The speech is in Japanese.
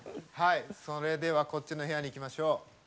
それではこっちの部屋に行きましょう。